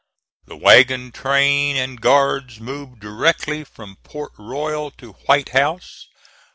The wagon train and guards moved directly from Port Royal to White House.